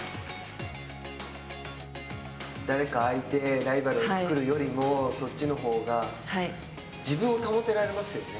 誰か相手ライバルを作るよりもそっちのほうが自分を保ってられますよね。